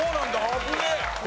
危ねえ！